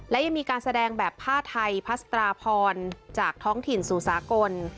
และยังมีการแสดงแบบผ้าไทยพัสตราพรจากท้องถิ่นสู่สากล